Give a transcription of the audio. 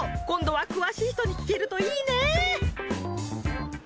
今度は詳しい人に聞けるといいね！